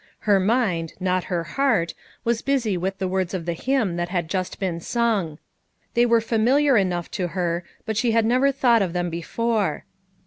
Her mind — not her heart — was busy with the words of the hymn that had just been sung. They were familiar enough to her, but she had never thought of them before.